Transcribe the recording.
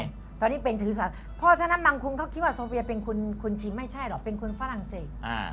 ตอนนี้เป็นถือสัตว์เพราะฉะนั้นมังคุงเขาคิดว่าโซเฟียเป็นคนชิมไม่ใช่หรอกเป็นคนฝรั่งเศส